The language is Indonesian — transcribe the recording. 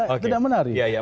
kan tidak menarik